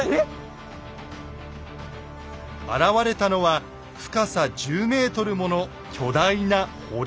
現れたのは深さ１０ｍもの巨大な堀。